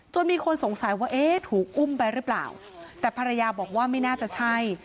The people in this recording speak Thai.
มีคนสงสัยว่าเอ๊ะถูกอุ้มไปหรือเปล่าแต่ภรรยาบอกว่าไม่น่าจะใช่